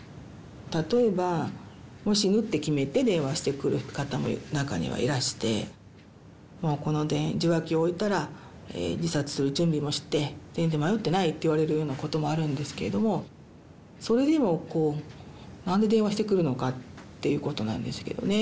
例えばもう死ぬって決めて電話してくる方も中にはいらしてもうこの受話器を置いたら自殺する準備もして全然迷っていないって言われるようなこともあるんですけれどもそれでもこう何で電話してくるのかっていうことなんですけどね。